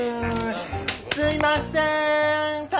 すいませーん。